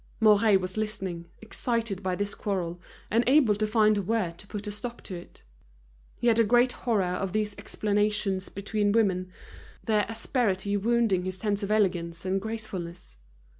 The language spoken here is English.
Mouret was listening, excited by this quarrel, unable to find a word to put a stop to it. He had a great horror of these explanations between women, their asperity wounding his sense of elegance and gracefulness.